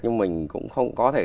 nhưng mình cũng không có thể